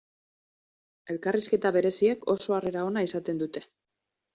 Elkarrizketa bereziek oso harrera ona izaten dute.